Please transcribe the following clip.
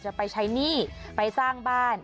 จะไปใช้หนี้ไปสร้างบ้าน